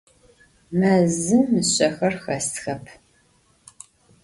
Mezım mışsexer xesxep.